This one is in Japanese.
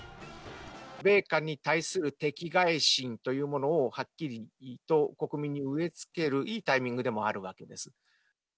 米韓に対する敵がい心というものを、はっきりと国民に植え付けるいいタイミングでもあるわけです。